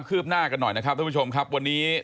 ืบหน้ากันหน่อยนะครับท่านผู้ชมครับวันนี้